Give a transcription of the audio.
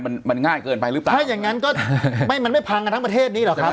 มันมันง่ายเกินไปหรือเปล่าถ้าอย่างงั้นก็ไม่มันไม่พังกันทั้งประเทศนี้หรอกครับ